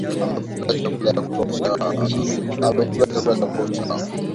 Amekula chakula cha kutosha